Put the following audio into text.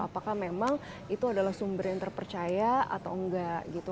apakah memang itu adalah sumber yang terpercaya atau enggak gitu